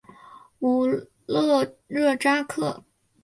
武勒热扎克。